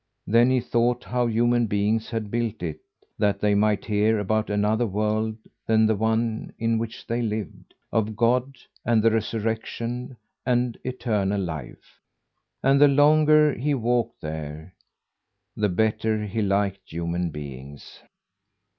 Then he thought how human beings had built it, that they might hear about another world than the one in which they lived, of God and the resurrection and eternal life. And the longer he walked there, the better he liked human beings.